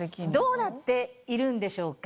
どうなっているんでしょうか？